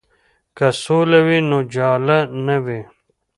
که سوله وي نو جاله نه وي.